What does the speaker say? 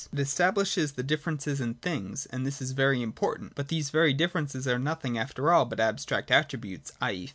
It estabhshes the differences in things : and this is very important : but these very differences are nothing after all but abstract attributes, /. e.